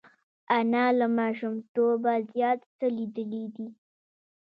انا له ماشومتوبه زیات څه لیدلي دي